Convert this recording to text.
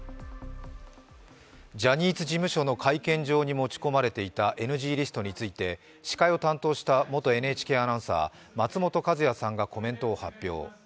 ジャニーズ事務所の会見場に持ち込まれていたＮＧリストについて、司会を担当した元ＮＨＫアナウンサー、松本和也さんがコメントを発表。